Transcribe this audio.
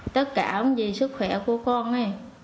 tất cả cũng vì sức khỏe của con ấy